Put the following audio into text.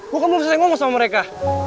gue kan belum selesai ngomong sama mereka